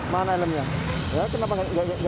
jadi masalah penumpang sama pengurusnya